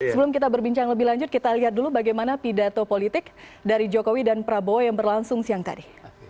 sebelum kita berbincang lebih lanjut kita lihat dulu bagaimana pidato politik dari jokowi dan prabowo yang berlangsung siang tadi